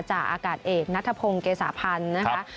จากอากาศเอกนัทธพงศ์เกษฐพันธ์นะครับ